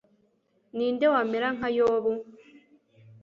ni nde wamera nka yobu